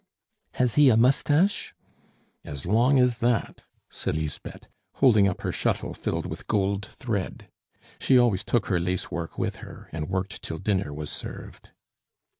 "Has he a moustache?" "As long as that," said Lisbeth, holding up her shuttle filled with gold thread. She always took her lace work with her, and worked till dinner was served.